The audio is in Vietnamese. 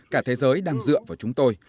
cả thế giới đang dựa vào chúng tôi